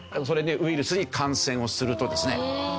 それでウイルスに感染をするとですね